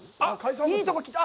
いいところ来た。